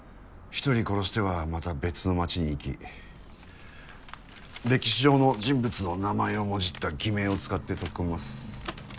１人殺してはまた別の街に行き歴史上の人物の名前をもじった偽名を使って溶け込みます。